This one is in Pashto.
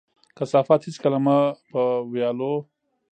کثافات هيڅکله مه په ويالو،